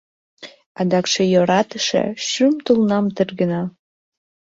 — Адакше йӧратыше шӱм тулнам тергена.